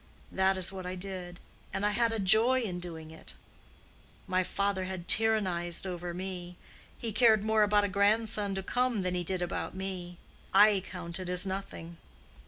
That is what I did; and I had a joy in doing it. My father had tyrannized over me—he cared more about a grandson to come than he did about me: I counted as nothing.